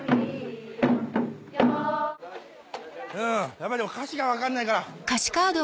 やっぱり歌詞が分かんないから。